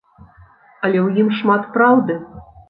Але ў ім шмат праўды.